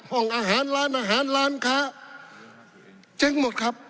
ห้องอาหารร้านอาหารร้านค้าเจ๊งหมดครับ